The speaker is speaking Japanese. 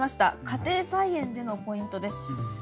家庭菜園でのポイントです。